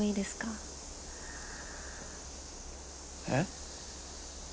えっ？